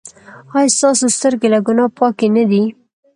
ایا ستاسو سترګې له ګناه پاکې نه دي؟